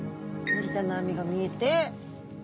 のりちゃんの網が見えて。